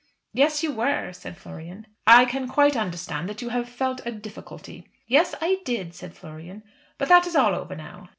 "Yes; you were," said Florian. "I can quite understand that you have felt a difficulty." "Yes, I did," said Florian. "But that is all over now."